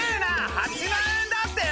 ８万円だってよ！